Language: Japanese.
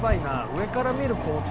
上から見る校庭。